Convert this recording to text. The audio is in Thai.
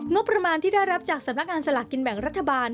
งบประมาณที่ได้รับจากสำนักงานสลากกินแบ่งรัฐบาล